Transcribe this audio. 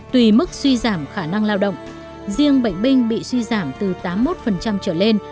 tùy mức suy giảm khả năng lao động riêng bệnh binh bị suy giảm từ tám mươi một trở lên